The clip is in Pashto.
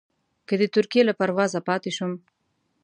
که د ترکیې له پروازه پاتې شوم.